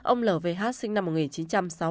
ông l v h sinh năm một nghìn chín trăm sáu mươi ba